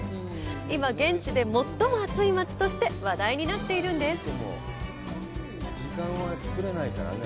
今現地で最も熱い街として話題になっているんです。